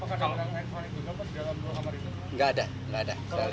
apakah di dalam kamar itu